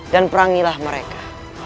dan perangilah mereka